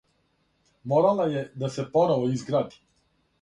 Морала је да се поново изгради.